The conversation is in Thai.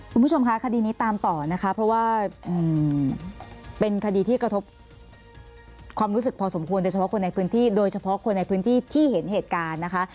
คุณผู้ชมคะคดีนี้ตามต่อนะคะเพราะว่าเป็นคดีที่กระทบความรู้สึกพอสมควรโดยเฉพาะคนในพื้นที่โดยเฉพาะคนในพื้นที่ที่เห็นเหตุการณ์นะคะ